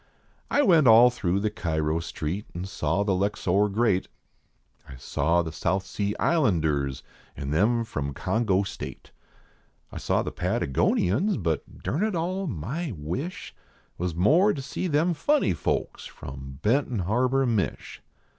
I went all throtigh the Cairo Street an saw the Luxor great, I saw the South Sea Islanders an them from Congo State, I saw the Patagonians, but, durn it all, my wish Was more to see them funny folks from Benton Harbor, Mich.